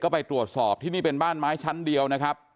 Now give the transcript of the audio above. ไปตรวจสอบที่นี่เป็นบ้านไม้ชั้นเดียวนะครับ